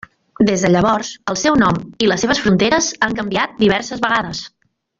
Des de llavors, el seu nom i les seves fronteres han canviat diverses vegades.